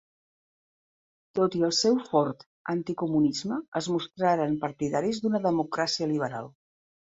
Tot i el seu fort anticomunisme, es mostraren partidaris d'una democràcia liberal.